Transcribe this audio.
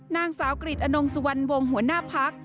นางสาวกริจอนงสุวรรณวงศ์หัวหน้าพัก